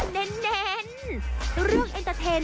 สวัสดีครับทุกคน